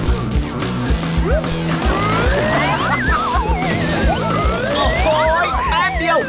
โอ้โหแปลว่าเดี๋ยว